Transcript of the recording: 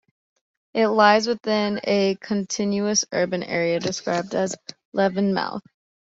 It lies within a continuous urban area described as Levenmouth.